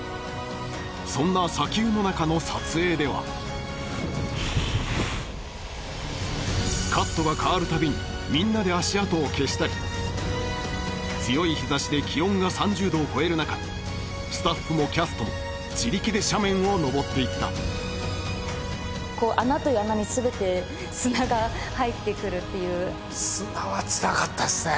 そんな砂丘の中の撮影ではカットが変わるたびにみんなで足跡を消したり強い日差しで気温が３０度を超える中スタッフもキャストも自力で斜面を登っていったこう穴という穴に全て砂が入ってくるっていう砂はつらかったですね